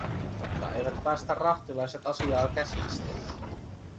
Mutta eivät päästä rahtilaiset asiaa käsistään.